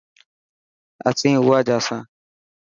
اسين اواجا سان.